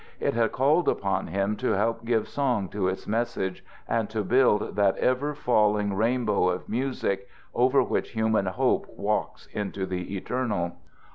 It had called upon him to help give song to its message and to build that ever falling rainbow of music over which human Hope walks into the eternal.